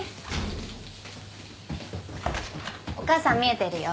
お母さんみえてるよ。